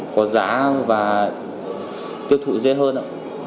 có giá và tiêu thụ dễ hơn ạ